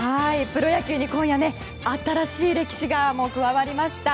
プロ野球で今夜新しい歴史が加わりました。